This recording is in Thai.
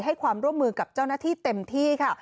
ให้ความร่วมมือกับเจ้าหน้าที่เต็มที่ค่ะ